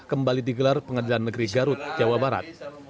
kembali digelar pengadilan negeri garut jawa barat